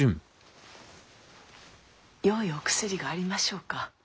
よいお薬がありましょうか？